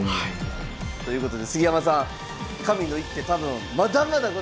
ということで杉山さん神の一手多分まだまだございますんで。